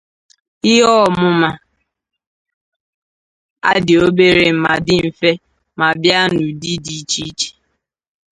Ihe omuma a di obere ma di mfe ma bia n'udi di iche iche.